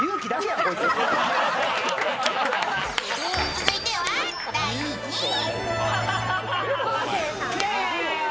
続いては第２位。